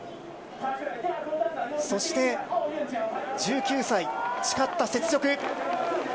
そして１９歳、誓った雪辱。